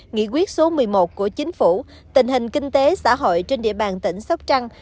nghị quyết số một mươi một của chính phủ tình hình kinh tế xã hội trên địa bàn tỉnh sóc trăng